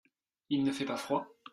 Il ne fait pas froid ?